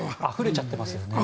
あふれちゃってますよね。